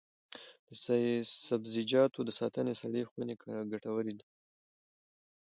د سبزیجاتو د ساتنې سړې خونې ګټورې دي.